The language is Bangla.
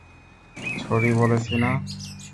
সরি বলেছি না।